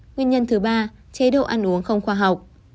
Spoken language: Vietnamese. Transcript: nguyên nhân thứ ba chế độ ăn uống không khoa học